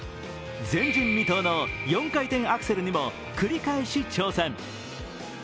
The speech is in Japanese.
前人未到の４回転アクセルにも繰り返し挑戦。